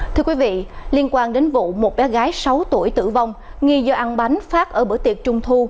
thưa quý vị liên quan đến vụ một bé gái sáu tuổi tử vong nghi do ăn bánh phát ở bữa tiệc trung thu